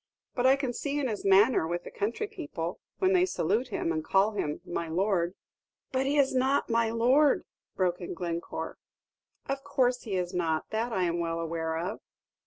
But I can see in his manner with the country people, when they salute him, and call him 'my lord' " "But he is not 'my lord,'" broke in Glencore. "Of course he is not; that I am well aware of."